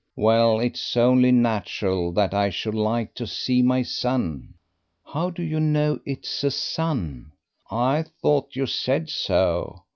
"Well, it is only natural that I should like to see my son." "How do you know it's a son?" "I thought you said so.